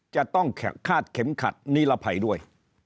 จะต้องคาดเข็มขัดนิรภัยด้วย